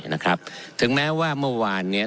นะครับถึงแม้ว่าเมื่อวานเนี้ย